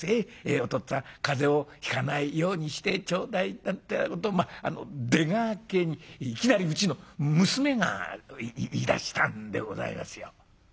お父っつぁん風邪をひかないようにしてちょうだい』なんてなことを出がけにいきなりうちの娘が言いだしたんでございますよ」。